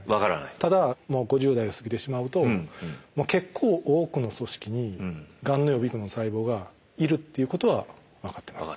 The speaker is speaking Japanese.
ただもう５０代を過ぎてしまうと結構多くの組織にがんの予備群の細胞がいるっていうことは分かってます。